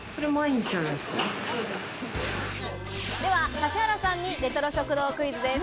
では指原さんにレトロ食堂クイズです。